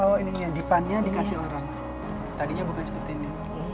oh ininya dipannya dikasih orang tadinya bukan seperti ini